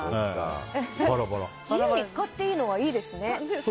自由に使っていいのはいいですね。